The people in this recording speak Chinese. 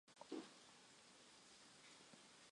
而德国杯则需要从第一轮开始角逐。